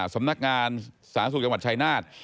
สำนักงานสาธารณสุขจังหวัดชายนาฏ